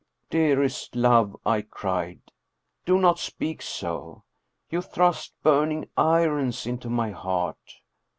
" Dearest love," I cried, " do not speak so. You thrust burning irons into my heart.